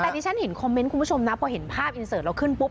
แต่ดิฉันเห็นคอมเมนต์คุณผู้ชมนะพอเห็นภาพอินเสิร์ตเราขึ้นปุ๊